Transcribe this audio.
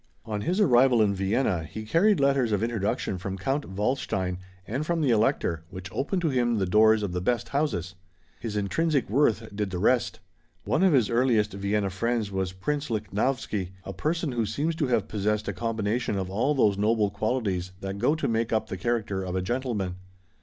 On his arrival in Vienna he carried letters of introduction from Count Waldstein and from the Elector, which opened to him the doors of the best houses. His intrinsic worth did the rest. One of his earliest Vienna friends was Prince Lichnowsky, a person who seems to have possessed a combination of all those noble qualities that go to make up the character of a gentleman.